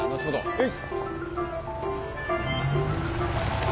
はい。